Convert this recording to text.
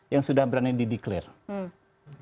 yang sudah berani dideklarasi